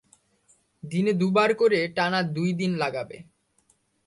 দিনে দুবার করে টানা দুই দিন লাগাবে।